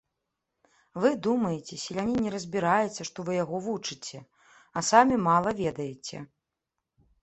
Вы думаеце, селянін не разбіраецца, што вы яго вучыце, а самі мала ведаеце.